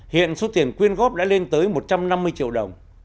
hiện số tiền quyên góp đã lên tới một trăm năm mươi triệu đồng